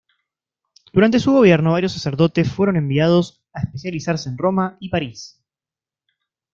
Durante su gobierno varios sacerdotes fueron enviados a especializarse en Roma y París.